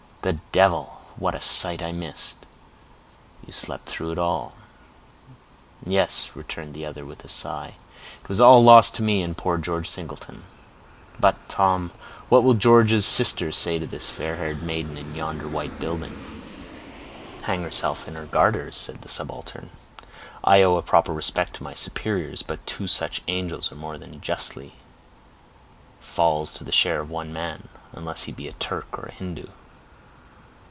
"The devil! What a sight I missed!" "You slept through it all." "Yes," returned the other, with a sigh; "it was all lost to me and poor George Singleton. But, Tom, what will George's sister say to this fair haired maiden, in yonder white building?" "Hang herself in her garters," said the subaltern. "I owe a proper respect to my superiors, but two such angels are more than justly falls to the share of one man, unless he be a Turk or a Hindoo."